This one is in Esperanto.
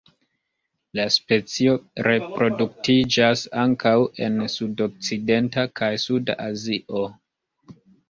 La specio reproduktiĝas ankaŭ en sudokcidenta kaj suda Azio.